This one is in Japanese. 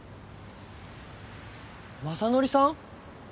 雅紀さん？